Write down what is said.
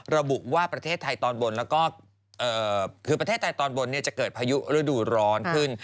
ระบุว่าประเทศไทยตอนบนแล้วก็คือประเทศไทยตอนบนจะเกิดพายุฤดูร้อนขึ้น